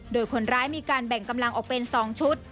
โดยคนร้ายมีการแบ่งกำลังออกเป็น๒ชุด